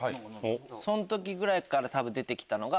そん時ぐらいから多分出てきたのが。